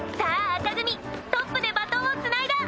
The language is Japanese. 赤組トップでバトンをつないだ！